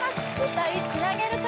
歌いつなげるか？